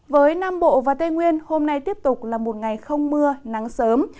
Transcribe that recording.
với nam bộ và tây nguyên hôm nay tiếp tục là một ngày không mưa nắng sớm